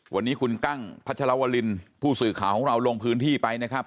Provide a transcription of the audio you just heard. วันนี้คุณกั้งพัชรวรินผู้สื่อข่าวของเราลงพื้นที่ไปนะครับ